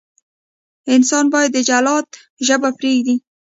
انسان باید د جلاد ژبه پرېږدي.